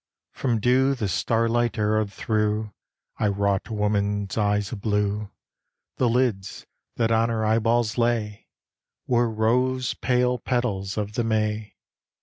From dew, the starlight arrowed through, I wrought a woman's eyes of blue; The lids, that on her eyeballs lay, Were rose pale petals of the May.